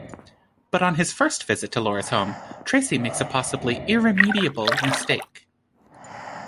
But on his first visit to Laura's home, Tracy makes a possibly irremediable mistake.